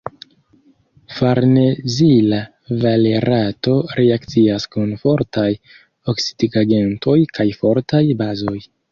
Farnezila valerato reakcias kun fortaj oksidigagentoj kaj fortaj bazoj.